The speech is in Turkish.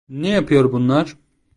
Ne yapıyor bunlar?